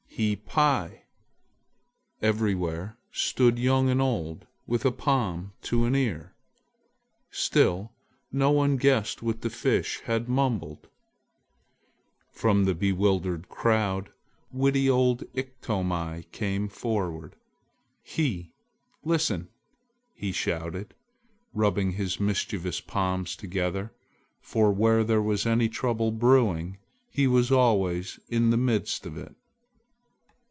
hi pi!" Everywhere stood young and old with a palm to an ear. Still no one guessed what the Fish had mumbled! From the bewildered crowd witty old Iktomi came forward. "He, listen!" he shouted, rubbing his mischievous palms together, for where there was any trouble brewing, he was always in the midst of it.